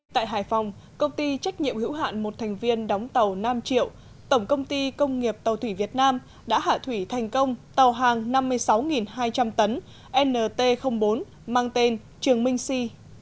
tại hải phòng công ty trách nhiệm hữu hạn một thành viên đóng tàu nam triệu tổng công ty công nghiệp tàu thủy việt nam đã hạ thủy thành công tàu hàng năm mươi sáu hai trăm linh tấn nt bốn mang tên trường minh si